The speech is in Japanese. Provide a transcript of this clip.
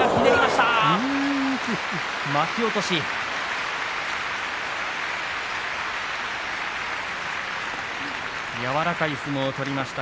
拍手柔らかい相撲を取りました